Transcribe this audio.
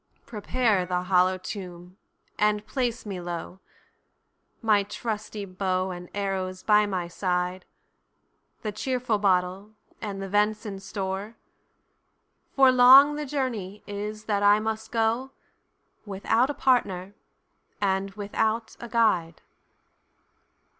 Prepare the hollow tomb, and place me low, My trusty bow and arrows by my side, The cheerful bottle, and the ven'son store; For long the journey is that I must go, Without a partner, and without a guide."